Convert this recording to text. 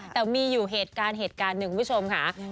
แต่มีอยู่เหตุการณ์หนึ่งคุณผู้ชมค่ะ